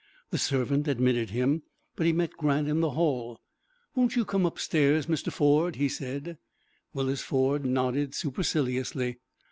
The servant admitted him, but he met Grant in the hall. "Won't you come upstairs, Mr. Ford?" he said. Willis Ford nodded superciliously.